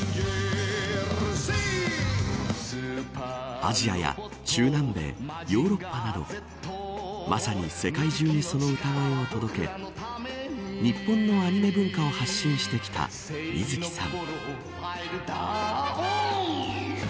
アジアや中南米、ヨーロッパなどまさに世界中に、その歌声を届け日本のアニメ文化を発信してきた水木さん。